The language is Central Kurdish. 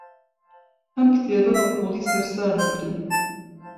ئەم کتێبە بەقووڵی سەرسامی کردم.